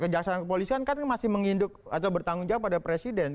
kejaksaan kepolisian kan masih menginduk atau bertanggung jawab pada presiden